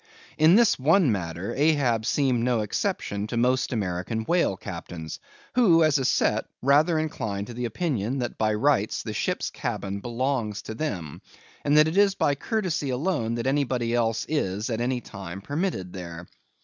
In this one matter, Ahab seemed no exception to most American whale captains, who, as a set, rather incline to the opinion that by rights the ship's cabin belongs to them; and that it is by courtesy alone that anybody else is, at any time, permitted there.